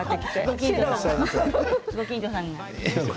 ご近所さん。